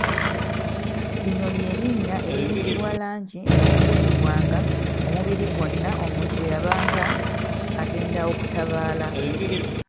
Lino lye linnya eriyitibwa langi eyeesiigibwanga omubiri gwonna omuntu bwe yabanga agenda okutabaala.